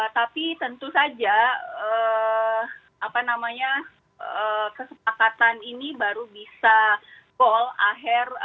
tapi tentu saja kesepakatan ini baru bisa goal